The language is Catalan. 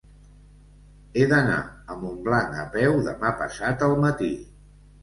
He d'anar a Montblanc a peu demà passat al matí.